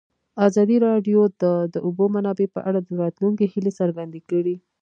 ازادي راډیو د د اوبو منابع په اړه د راتلونکي هیلې څرګندې کړې.